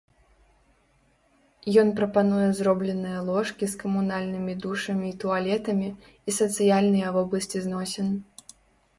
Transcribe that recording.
Ён прапануе зробленыя ложкі з камунальнымі душамі і туалетамі, і сацыяльныя вобласці зносін.